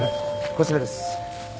こちらです。